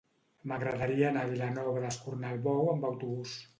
M'agradaria anar a Vilanova d'Escornalbou amb autobús.